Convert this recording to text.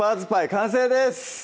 完成です